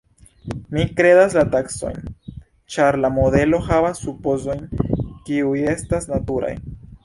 Mi kredas la taksojn, ĉar la modelo havas supozojn, kiuj estas naturaj.